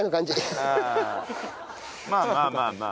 まあまあまあまあ。